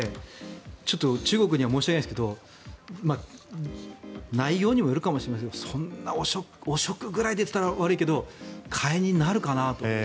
中国には申し訳ないんですけど内容にもよるかもしれないですがそんな汚職くらいでと言ったら悪いけど解任になるかなと。